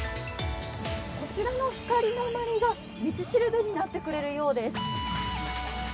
こちらの光の鞠が道しるべになってくれるようです。